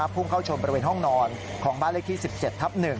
พุ่งเข้าชนบริเวณห้องนอนของบ้านเลขที่๑๗ทับ๑